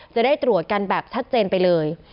จะได้ตรวจกันแบบชัดเจนไปเลย